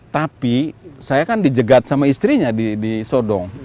tapi saya kan dijegat sama istrinya di sodong